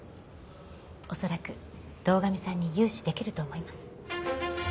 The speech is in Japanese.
恐らく堂上さんに融資できると思います。